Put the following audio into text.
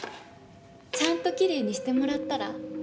ちゃんときれいにしてもらったら？